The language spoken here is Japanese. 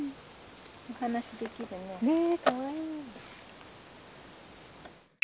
お話しできるね。ねえかわいい。